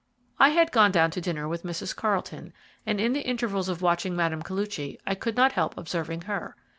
I had gone down to dinner with Mrs. Carlton, and in the intervals of watching Mme. Koluchy I could not help observing her.